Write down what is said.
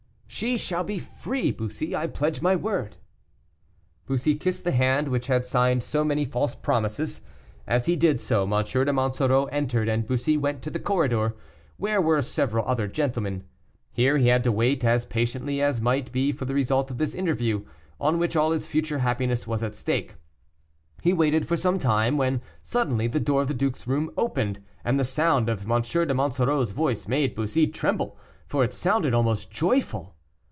"She shall be free, Bussy; I pledge my word." Bussy kissed the hand which had signed so many false promises. As he did so, M. de Monsoreau entered, and Bussy went to the corridor, where were several other gentlemen. Here he had to wait as patiently as might be for the result of this interview, on which all his future happiness was at stake. He waited for some time, when suddenly the door of the duke's room opened, and the sound of M. de Monsoreau's voice made Bussy tremble, for it sounded almost joyful.